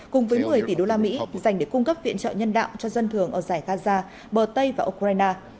cùng với một mươi tỷ đô la mỹ dành để cung cấp viện trợ nhân đạo cho dân thường ở giải gaza bờ tây và ukraine